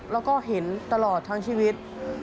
แล้วก็เห็นตลอดทั้งชีวิต